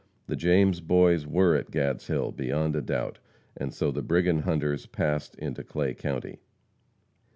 The James Boys were at Gadshill beyond a doubt. And so the brigand hunters passed into Clay county.